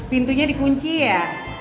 pintunya dikunci ya